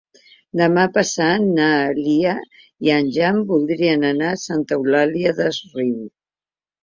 Demà passat na Lia i en Jan voldrien anar a Santa Eulària des Riu.